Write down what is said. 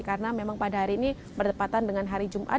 karena memang pada hari ini bertepatan dengan hari jum'at